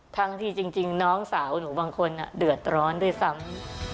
ทั้งที่จริงน้องสาวหนูบางคนเดือดร้อนด้วยซ้ำ